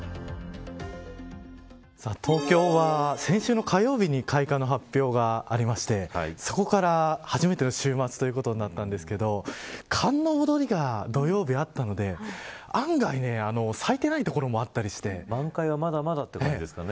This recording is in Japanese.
東京は先週の火曜日に開花の発表がありましてそこから初めての週末ということなんですけれども寒の戻りが土曜日あったので案外咲いていない所もあったりして満開はまだまだということですかね。